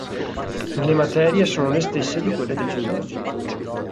Le materie sono le stesse di quelle del gymnasium.